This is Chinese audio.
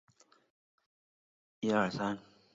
西畴黄芩为唇形科黄芩属下的一个种。